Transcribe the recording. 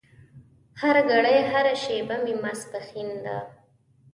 هرګړۍ هره شېبه مې ماسپښين ده